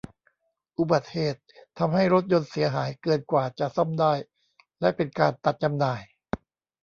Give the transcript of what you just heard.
อุบัติเหตุทำให้รถยนต์เสียหายเกินกว่าจะซ่อมได้และเป็นการตัดจำหน่าย